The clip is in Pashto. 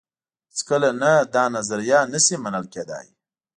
هېڅکله نه دا نظریه نه شي منل کېدای.